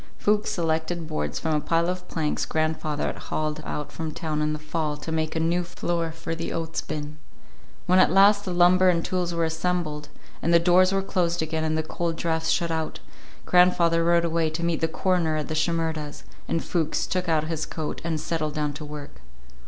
Fuchs selected boards from a pile of planks grandfather had hauled out from town in the fall to make a new floor for the oats bin. When at last the lumber and tools were assembled, and the doors were closed again and the cold drafts shut out, grandfather rode away to meet the coroner at the Shimerdas', and Fuchs took off his coat and settled down to work.